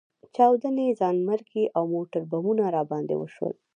چاودنې، ځانمرګي او موټربمونه راباندې وشول.